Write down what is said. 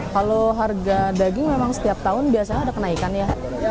kalau harga daging memang setiap tahun biasanya ada kenaikan ya